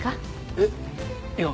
えっいや